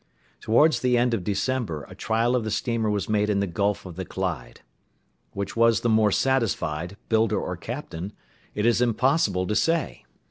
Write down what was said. Towards the end of December a trial of the steamer was made in the gulf of the Clyde. Which was the more satisfied, builder or captain, it is impossible to say.